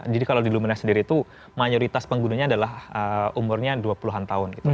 jadi kalau di lumina sendiri itu mayoritas penggunanya adalah umurnya dua puluh an tahun gitu